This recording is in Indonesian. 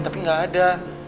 tapi gak ada